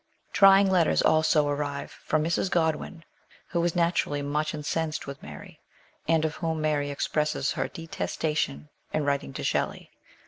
Trying letters also arrive from Mrs. Godwin, who was naturally much incensed with Mary, and of whom Mary expresses her detestation in writing to Shelley.